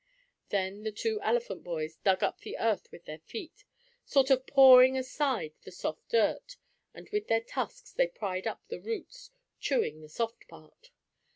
Then the two elephant boys dug up the earth with their feet, sort of pawing aside the soft dirt, and with their tusks they pried up the roots, chewing the soft part.